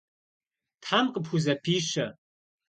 Тхьэм къыпхузэпищэ.